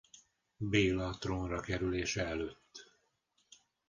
Béla trónra kerülése előtt.